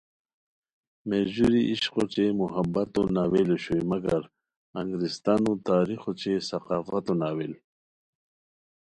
میرژوری عشق اوچے محبتو ناول اوشوئے مگر انگریستانو تاریخ اوچے ثقافتو ناول